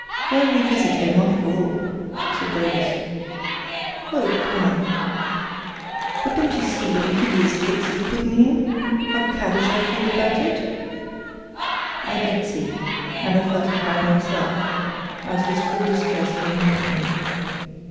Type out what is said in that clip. "Why revisit him, after all?" said Davies. "Oh, come——" "But don't you see what a hideous fix you've put me in? How caddish I feel about it?" I did see, and I felt a cad myself, as his full distress came home to me.